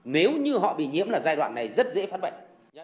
nếu như họ bị nhiễm là giai đoạn này rất dễ phát bệnh